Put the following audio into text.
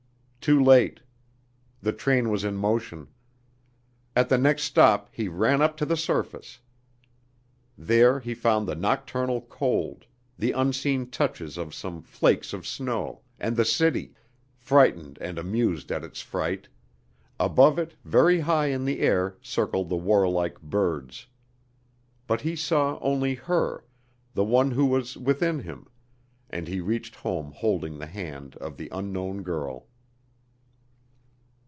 Too late. The train was in motion. At the next stop he ran up to the surface. There he found the nocturnal cold, the unseen touches of some flakes of snow and the City, frightened and amused at its fright; above it very high in the air circled the warlike birds. But he saw only her, the one who was within him; and he reached home holding the hand of the unknown girl.